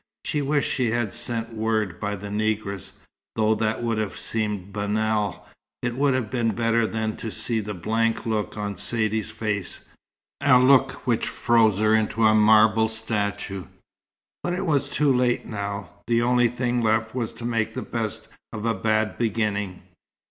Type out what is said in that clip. She wished she had sent word by the negress. Though that would have seemed banal, it would have been better than to see the blank look on Saidee's face, a look which froze her into a marble statue. But it was too late now. The only thing left was to make the best of a bad beginning.